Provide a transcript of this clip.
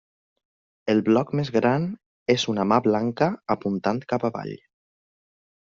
El bloc més gran és una mà blanca apuntant cap avall.